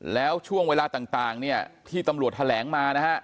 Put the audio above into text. แล้วช่วงเวลาต่างเนี่ยที่ตำรวจแถลงมานะฮะ